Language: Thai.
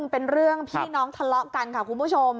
เป็นเรื่องพี่น้องทะเลาะกันค่ะคุณผู้ชม